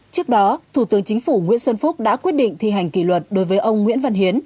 trước đó thủ tướng chính phủ nguyễn xuân phúc đã quyết định thi hành kỷ luật đối với ông nguyễn văn hiến